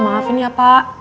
maafin ya pak